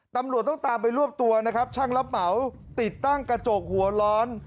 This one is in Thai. ตำรวจต้องตามไปรวบตัวนะครับช่างรับเหมาติดตั้งกระจกหัวร้อน